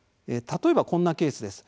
例えばこんなケースです。